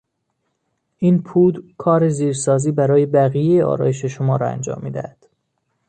این پودر، کار زیرسازی برای بقیهی آرایش شما را انجام میدهد.